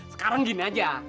sekarang gini aja